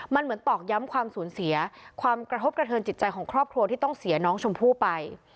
มันเหมือนตอกย้ำความสูญเสียความกระทบกระเทินจิตใจของครอบครัวที่ต้องเสียน้องชมพู่ไป